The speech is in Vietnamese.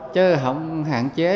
chứ không hạn chế